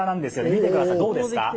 見てください、どうですか？